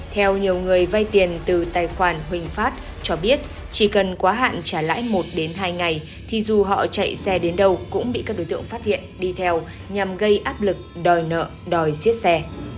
theo nhiều người vay tiền từ tài khoản huỳnh phát cho biết chỉ cần quá hạn trả lãi một hai ngày thì dù họ chạy xe đến đâu cũng bị các đối tượng phát hiện đi theo nhằm gây áp lực đòi nợ đòi xiết xe